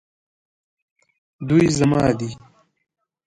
دوی زما دي